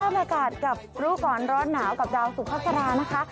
ภาพอากาศกับรู้กรรมร้อนหนาวกับดาวสุภาคกรานะคะ